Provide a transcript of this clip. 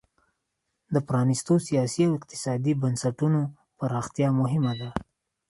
د پرانیستو سیاسي او اقتصادي بنسټونو پراختیا مهمه ده.